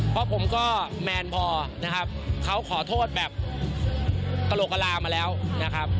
เพราะผมก็แมนพอนะครับเขาขอโทษแบบกระโหลกกระลามาแล้วนะครับ